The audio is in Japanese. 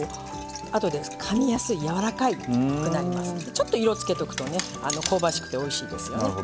ちょっと色をつけとくとね香ばしくておいしいですよね。